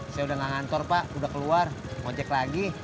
saya udah gak ngantor pak udah keluar ngocek lagi